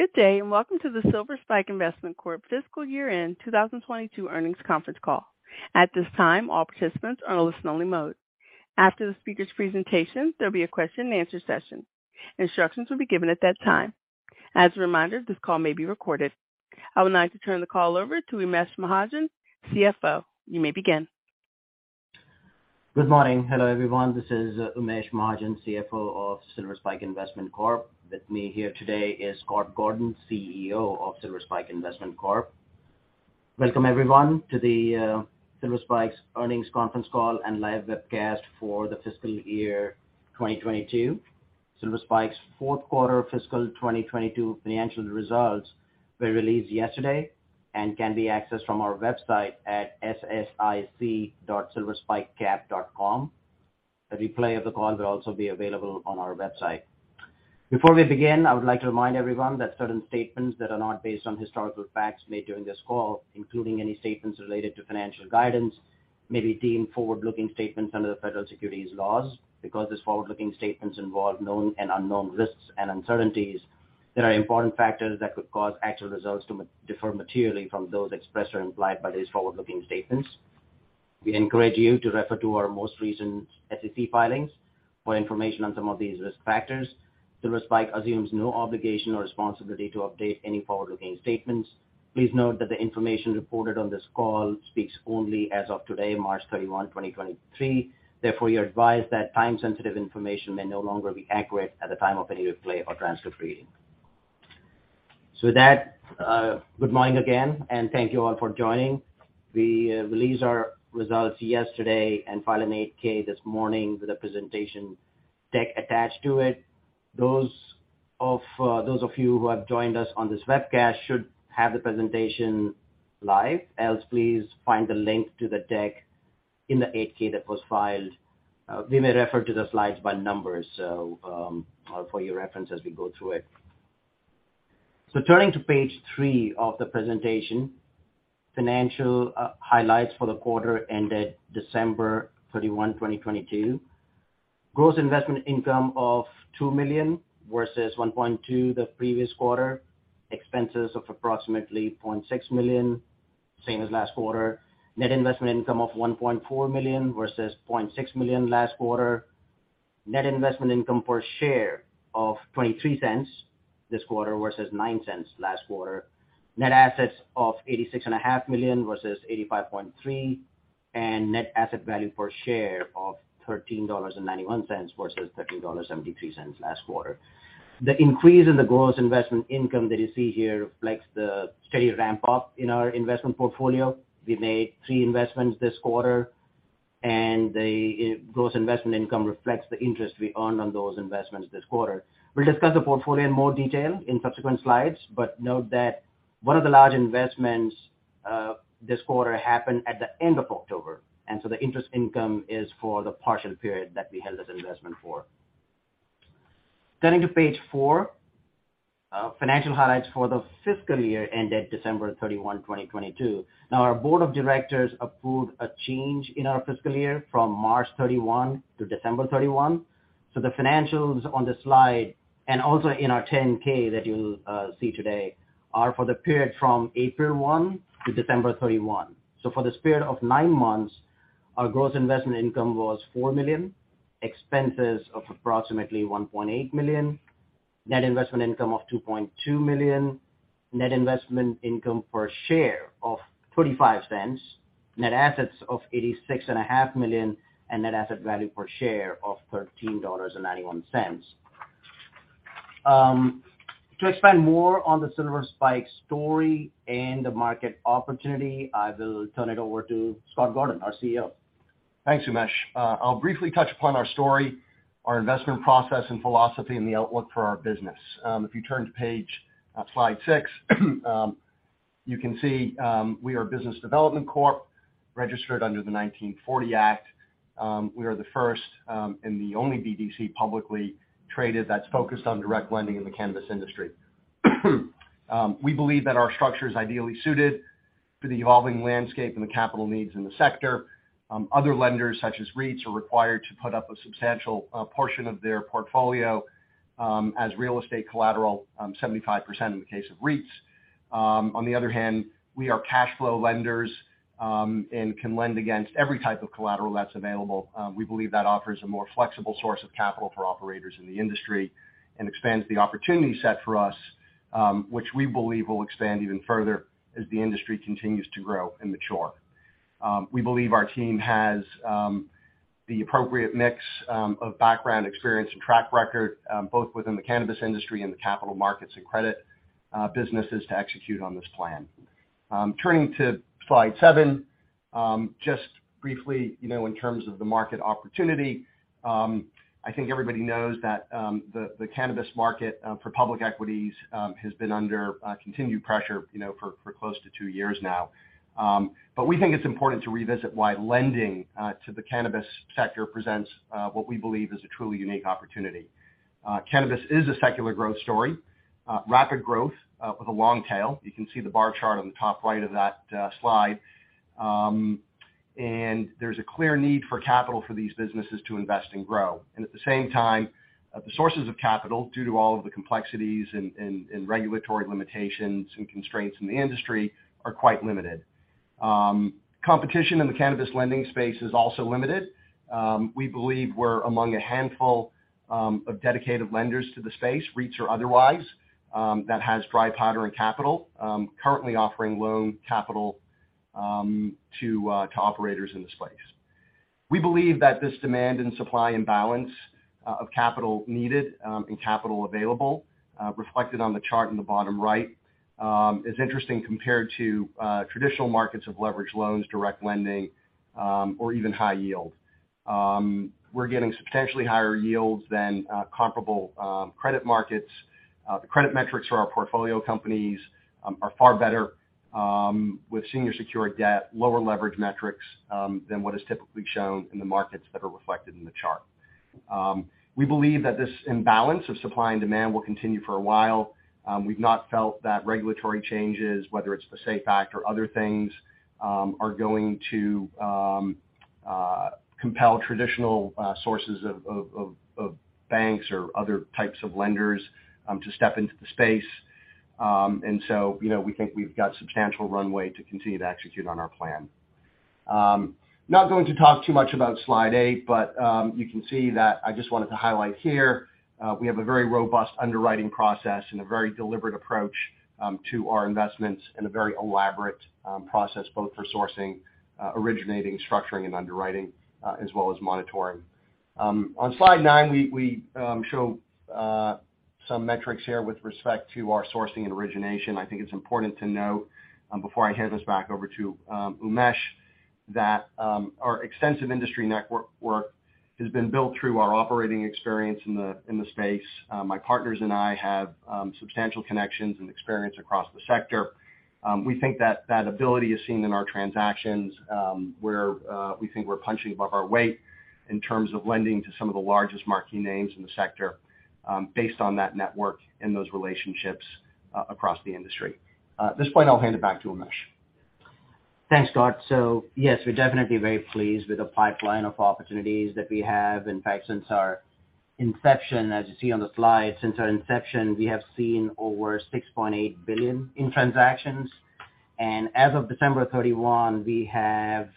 Good day, welcome to the Silver Spike Investment Corp Fiscal Year-End 2022 Earnings Conference Call. At this time, all participants are on listen-only mode. After the speaker's presentation, there'll be a question-and-answer session. Instructions will be given at that time. As a reminder, this call may be recorded. I would now like to turn the call over to Umesh Mahajan, CFO. You may begin. Good morning. Hello, everyone. This is Umesh Mahajan, CFO of Silver Spike Investment Corp. With me here today is Scott Gordon, CEO of Silver Spike Investment Corp. Welcome, everyone, to the Silver Spike's earnings conference call and live webcast for the fiscal year 2022. Silver Spike's fourth quarter fiscal 2022 financial results were released yesterday and can be accessed from our website at ssic.silverspikecap.com. A replay of the call will also be available on our website. Before we begin, I would like to remind everyone that certain statements that are not based on historical facts made during this call, including any statements related to financial guidance, may be deemed forward-looking statements under the federal securities laws. These forward-looking statements involve known and unknown risks and uncertainties, there are important factors that could cause actual results to differ materially from those expressed or implied by these forward-looking statements. We encourage you to refer to our most recent SEC filings for information on some of these risk factors. Silver Spike assumes no obligation or responsibility to update any forward-looking statements. Please note that the information reported on this call speaks only as of today, March 31, 2023. You're advised that time-sensitive information may no longer be accurate at the time of any replay or transcript reading. With that, good morning again, thank you all for joining. We released our results yesterday and filed an 8-K this morning with a presentation deck attached to it. Those of you who have joined us on this webcast should have the presentation live. Else, please find the link to the deck in the 8-K that was filed. We may refer to the slides by numbers, so, for your reference as we go through it. Turning to page 3 of the presentation, financial highlights for the quarter ended December 31, 2022. Gross investment income of $2 million versus $1.2 million the previous quarter. Expenses of approximately $0.6 million, same as last quarter. Net investment income of $1.4 million versus $0.6 million last quarter. Net investment income per share of $0.23 this quarter versus $0.09 last quarter. Net assets of $86 and a half million versus $85.3 million. Net asset value per share of $13.91 versus $13.73 last quarter. The increase in the gross investment income that you see here reflects the steady ramp-up in our investment portfolio. We made three investments this quarter. The gross investment income reflects the interest we earned on those investments this quarter. We'll discuss the portfolio in more detail in subsequent slides. Note that one of the large investments this quarter happened at the end of October, so the interest income is for the partial period that we held this investment for. Turning to page 4, financial highlights for the fiscal year ended December 31, 2022. Our board of directors approved a change in our fiscal year from March 31 to December 31. The financials on this slide, and also in our 10-K that you'll see today, are for the period from April 1 to December 31. For this period of 9 months, our gross investment income was $4 million. Expenses of approximately $1.8 million. Net investment income of $2.2 million. Net investment income per share of $0.45. Net assets of $86.5 million, and net asset value per share of $13.91. To expand more on the Silver Spike story and the market opportunity, I will turn it over to Scott Gordon, our CEO. Thanks, Umesh. I'll briefly touch upon our story, our investment process and philosophy, and the outlook for our business. If you turn to page, Slide 6, you can see, we are a business development corp registered under the 1940 Act. We are the first and the only BDC publicly traded that's focused on direct lending in the cannabis industry. We believe that our structure is ideally suited to the evolving landscape and the capital needs in the sector. Other lenders, such as REITs, are required to put up a substantial portion of their portfolio as real estate collateral, 75% in the case of REITs. On the other hand, we are cash flow lenders and can lend against every type of collateral that's available. We believe that offers a more flexible source of capital for operators in the industry and expands the opportunity set for us, which we believe will expand even further as the industry continues to grow and mature. We believe our team has the appropriate mix of background experience and track record, both within the cannabis industry and the capital markets and credit businesses to execute on this plan. Turning to Slide 7, just briefly, you know, in terms of the market opportunity, I think everybody knows that the cannabis market for public equities has been under continued pressure, you know, for close to 2 years now. We think it's important to revisit why lending to the cannabis sector presents what we believe is a truly unique opportunity. Cannabis is a secular growth story, rapid growth, with a long tail. You can see the bar chart on the top right of that slide. There's a clear need for capital for these businesses to invest and grow. At the same time, the sources of capital, due to all of the complexities and regulatory limitations and constraints in the industry, are quite limited. Competition in the cannabis lending space is also limited. We believe we're among a handful of dedicated lenders to the space, REITs or otherwise, that has dry powder and capital, currently offering loan capital to operators in the space. We believe that this demand and supply imbalance, of capital needed, and capital available, reflected on the chart in the bottom right, is interesting compared to traditional markets of leverage loans, direct lending, or even high yield. We're getting substantially higher yields than comparable credit markets. The credit metrics for our portfolio companies are far better with senior secured debt, lower leverage metrics than what is typically shown in the markets that are reflected in the chart. We believe that this imbalance of supply and demand will continue for a while. We've not felt that regulatory changes, whether it's the SAFE Act or other things, are going to compel traditional sources of banks or other types of lenders to step into the space. You know, we think we've got substantial runway to continue to execute on our plan. Not going to talk too much about Slide 8, you can see that I just wanted to highlight here, we have a very robust underwriting process and a very deliberate approach to our investments and a very elaborate process, both for sourcing, originating, structuring and underwriting, as well as monitoring. On Slide 9, we show some metrics here with respect to our sourcing and origination. I think it's important to note, before I hand this back over to Umesh, that our extensive industry network work has been built through our operating experience in the space. My partners and I have substantial connections and experience across the sector. We think that that ability is seen in our transactions, where we think we're punching above our weight in terms of lending to some of the largest marquee names in the sector, based on that network and those relationships across the industry. At this point, I'll hand it back to Umesh. Thanks, Scott. Yes, we're definitely very pleased with the pipeline of opportunities that we have. In fact, since our inception, as you see on the slide, since our inception, we have seen over $6.8 billion in transactions. As of December 31, we have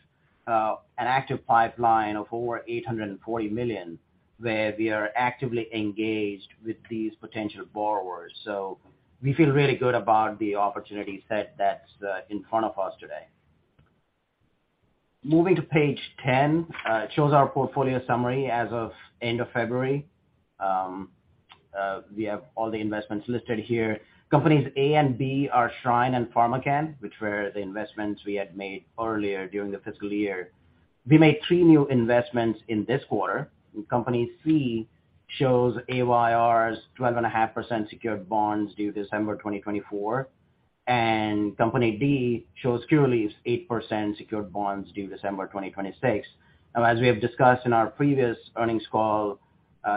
an active pipeline of over $840 million, where we are actively engaged with these potential borrowers. We feel really good about the opportunity set that's in front of us today. Moving to page 10, it shows our portfolio summary as of end of February. We have all the investments listed here. Companies A and B are Shryne and PharmaCann, which were the investments we had made earlier during the fiscal year. We made three new investments in this quarter. Company C shows AYR's 12.5% secured bonds due December 2024, and Company D shows Curaleaf's 8% secured bonds due December 2026. As we have discussed in our previous earnings call,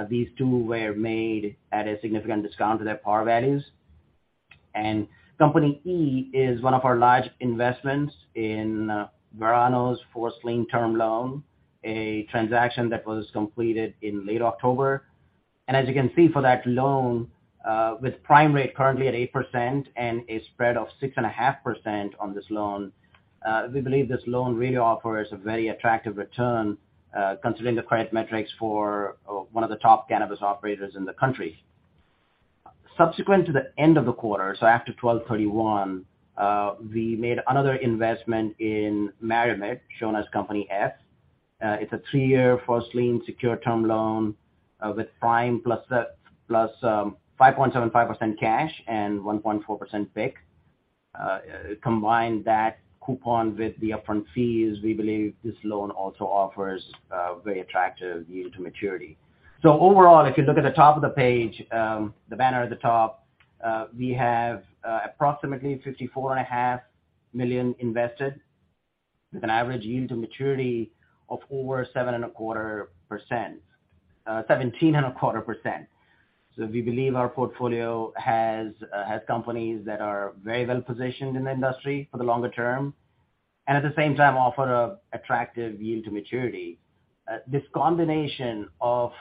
these two were made at a significant discount to their par values. Company E is one of our large investments in Verano's first-lien term loan, a transaction that was completed in late October. As you can see for that loan, with prime rate currently at 8% and a spread of 6.5% on this loan, we believe this loan really offers a very attractive return, considering the credit metrics for one of the top cannabis operators in the country. Subsequent to the end of the quarter, after December 31, we made another investment in MariMed, shown as Company F. It's a 3-year first lien secure term loan with prime plus 5.75% cash and 1.4% PIK. Combine that coupon with the upfront fees, we believe this loan also offers a very attractive yield to maturity. Overall, if you look at the top of the page, the banner at the top, we have approximately $54.5 million invested with an average yield to maturity of over 7.25%, 17.25%. We believe our portfolio has companies that are very well-positioned in the industry for the longer term and at the same time offer an attractive yield to maturity. This combination of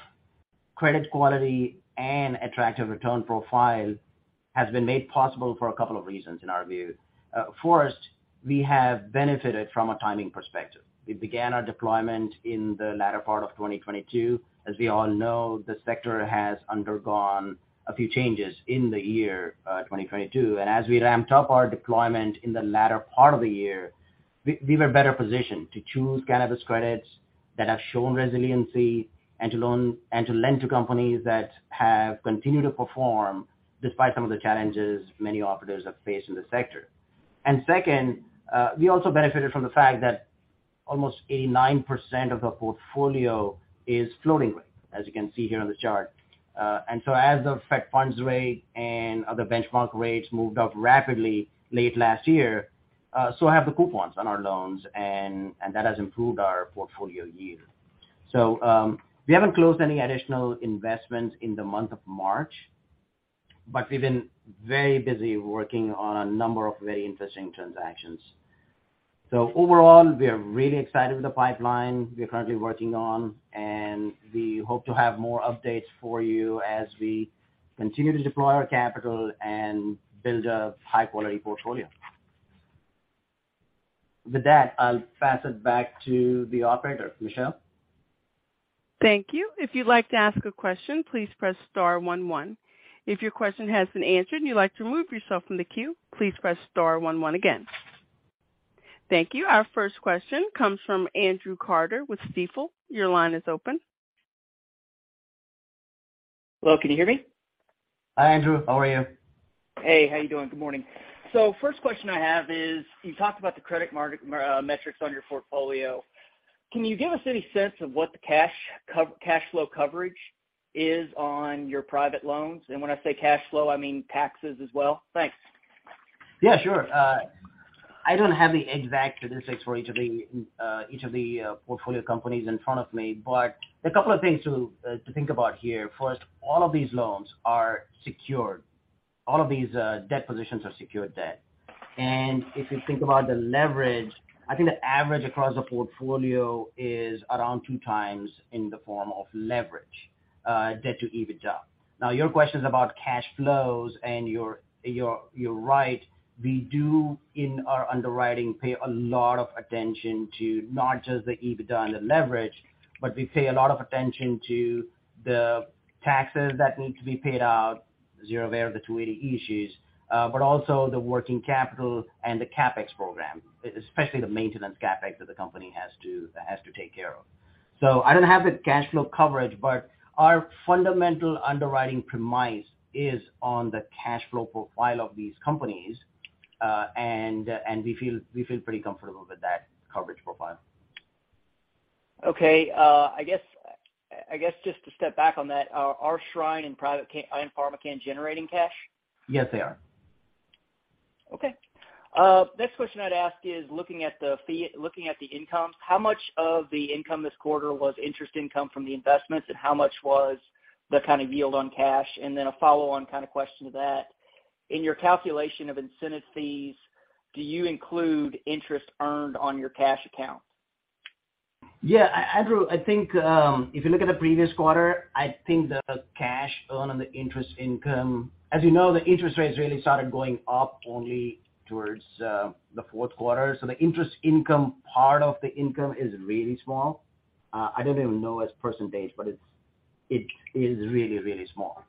credit quality and attractive return profile has been made possible for a couple of reasons in our view. First, we have benefited from a timing perspective. We began our deployment in the latter part of 2022. As we all know, the sector has undergone a few changes in the year 2022. As we ramped up our deployment in the latter part of the year, we were better positioned to choose cannabis credits that have shown resiliency and to loan, and to lend to companies that have continued to perform despite some of the challenges many operators have faced in the sector. Second, we also benefited from the fact that almost 89% of the portfolio is floating rate, as you can see here on the chart. As the Fed funds rate and other benchmark rates moved up rapidly late last year, so have the coupons on our loans, and that has improved our portfolio yield. We haven't closed any additional investments in the month of March. But we've been very busy working on a number of very interesting transactions. Overall, we are really excited with the pipeline we are currently working on, and we hope to have more updates for you as we continue to deploy our capital and build a high quality portfolio. With that, I'll pass it back to the operator. Michelle. Thank you. If you'd like to ask a question, please press star one one. If your question has been answered and you'd like to remove yourself from the queue, please press star one one again. Thank you. Our first question comes from Andrew Carter with Stifel. Your line is open. Hello, can you hear me? Hi, Andrew. How are you? Hey, how you doing? Good morning. first question I have is, you talked about the credit metrics on your portfolio. Can you give us any sense of what the cash flow coverage is on your private loans? When I say cash flow, I mean taxes as well. Thanks. Yeah, sure. I don't have the exact statistics for each of the portfolio companies in front of me. A couple of things to think about here. First, all of these loans are secured. All of these debt positions are secured debt. If you think about the leverage, I think the average across the portfolio is around 2x in the form of leverage, Debt to EBITDA. Your question is about cash flows, and you're right. We do, in our underwriting, pay a lot of attention to not just the EBITDA and the leverage, but we pay a lot of attention to the taxes that need to be paid out. As you're aware of the 280E issues, but also the working capital and the CapEx program, especially the maintenance CapEx that the company has to take care of. I don't have the cash flow coverage, but our fundamental underwriting premise is on the cash flow profile of these companies. We feel pretty comfortable with that coverage profile. Okay. I guess just to step back on that, are Shryne and PharmaCann generating cash? Yes, they are. Okay. Next question I'd ask is looking at the incomes, how much of the income this quarter was interest income from the investments and how much was the kind of yield on cash? A follow on kind of question to that, in your calculation of incentive fees, do you include interest earned on your cash account? Yeah. Andrew, I think, if you look at the previous quarter, I think the cash earned on the interest income... As you know, the interest rates really started going up only towards the fourth quarter. The interest income part of the income is really small. I don't even know as percentage, but it is really, really small.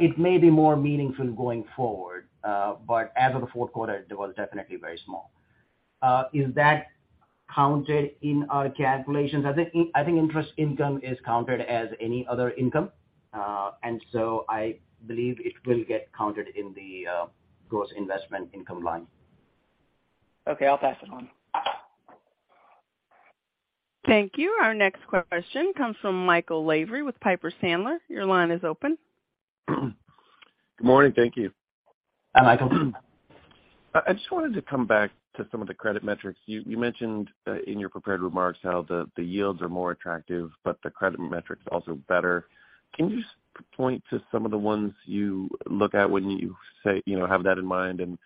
It may be more meaningful going forward, but as of the fourth quarter, it was definitely very small. Is that counted in our calculations? I think interest income is counted as any other income. I believe it will get counted in the gross investment income line. Okay, I'll pass it on. Thank you. Our next question comes from Michael Lavery with Piper Sandler. Your line is open. Good morning. Thank you. Hi, Michael. I just wanted to come back to some of the credit metrics. You mentioned in your prepared remarks how the yields are more attractive, but the credit metrics also better. Can you just point to some of the ones you look at when you say, you know, have that in mind and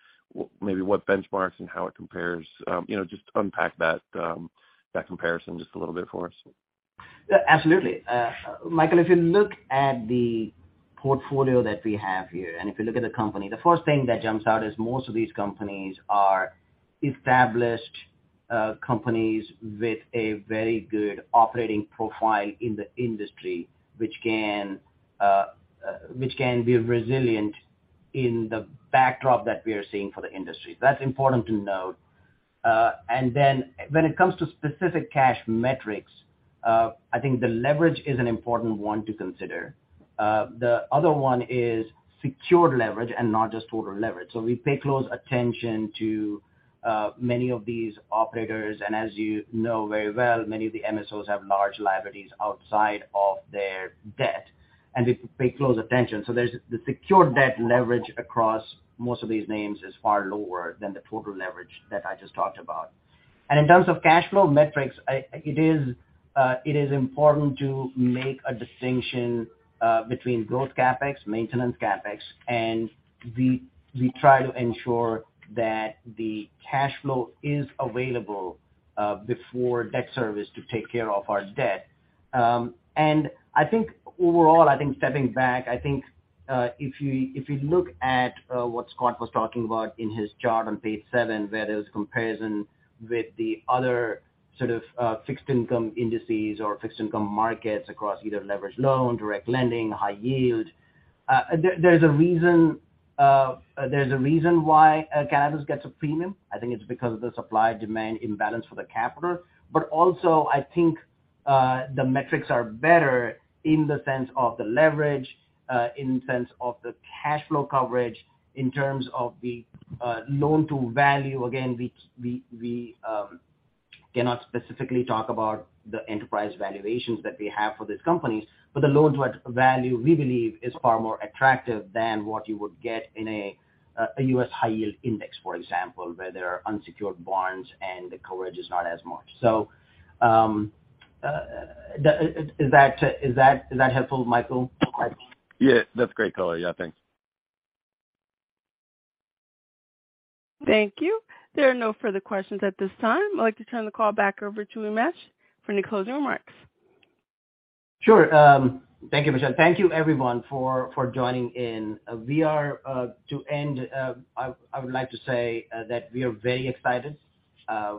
maybe what benchmarks and how it compares? You know, just unpack that comparison just a little bit for us. Yeah, absolutely. Michael, if you look at the portfolio that we have here, if you look at the company, the first thing that jumps out is most of these companies are established companies with a very good operating profile in the industry, which can be resilient in the backdrop that we are seeing for the industry. That's important to note. Then when it comes to specific cash metrics, I think the leverage is an important one to consider. The other one is secured leverage and not just total leverage. We pay close attention to many of these operators. As you know very well, many of the MSOs have large liabilities outside of their debt, and we pay close attention. There's the secured debt leverage across most of these names is far lower than the total leverage that I just talked about. In terms of cash flow metrics, it is important to make a distinction between growth CapEx, maintenance CapEx, and we try to ensure that the cash flow is available before debt service to take care of our debt. I think overall, I think stepping back, I think if you, if you look at what Scott was talking about in his chart on page 7, where there's comparison with the other sort of fixed income indices or fixed income markets across either leverage loan, direct lending, high yield, there's a reason why cannabis gets a premium. I think it's because of the supply demand imbalance for the capital. Also I think, the metrics are better in sense of the leverage, in sense of the cash flow coverage, in terms of the loan-to-value. Again, we cannot specifically talk about the enterprise valuations that we have for these companies, but the loan-to-value, we believe, is far more attractive than what you would get in a U.S. high yield index, for example, where there are unsecured bonds and the coverage is not as much. Is that helpful, Michael? Yeah, that's great color. Yeah, thanks. Thank you. There are no further questions at this time. I'd like to turn the call back over to Umesh for any closing remarks. Sure. Thank you, Michelle. Thank You everyone for joining in. We are to end, I would like to say that we are very excited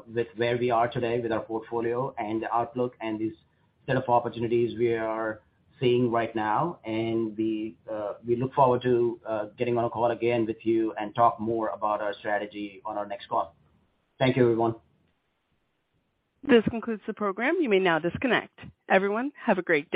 with where we are today with our portfolio and the outlook and the set of opportunities we are seeing right now. We look forward to getting on a call again with you and talk more about our strategy on our next call. Thank you, everyone. This concludes the program. You may now disconnect. Everyone, have a great day.